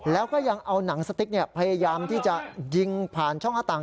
แล้วก็ยังเอาหนังสติ๊กพยายามที่จะยิงผ่านช่องหน้าต่าง